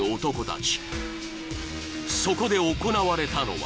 ［そこで行われたのは］